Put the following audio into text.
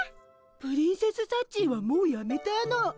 プリンセスサッチーはもうやめたの。